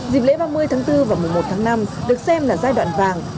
dịp lễ ba mươi tháng bốn và mùa một tháng năm được xem là giai đoạn vàng